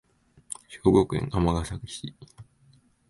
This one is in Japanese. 兵庫県尼崎市